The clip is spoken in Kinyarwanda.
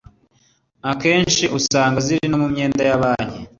kenshi usanga ziri no mu myenda ya banki